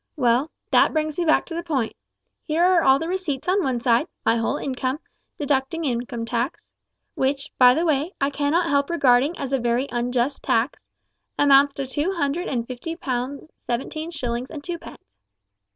Well, that brings me back to the point. Here are all the receipts on one side; my whole income, deducting income tax which, by the way, I cannot help regarding as a very unjust tax amounts to two hundred and fifty pounds seventeen shillings and two pence.